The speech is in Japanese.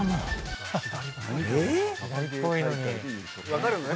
分かるのね？